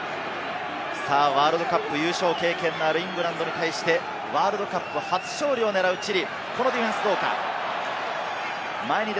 優勝経験のあるイングランドに対してワールドカップ初勝利を狙うチリ。